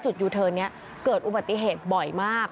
ยูเทิร์นนี้เกิดอุบัติเหตุบ่อยมาก